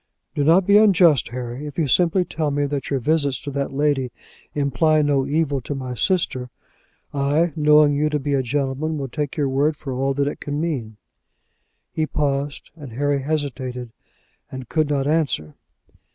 "Do not be unjust, Harry. If you simply tell me that your visits to that lady imply no evil to my sister, I, knowing you to be a gentleman, will take your word for all that it can mean." He paused, and Harry hesitated and could not answer.